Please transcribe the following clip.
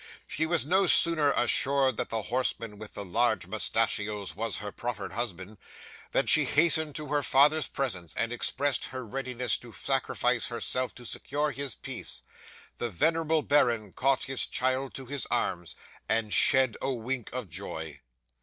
She was no sooner assured that the horseman with the large moustachios was her proffered husband, than she hastened to her father's presence, and expressed her readiness to sacrifice herself to secure his peace. The venerable baron caught his child to his arms, and shed a wink of joy.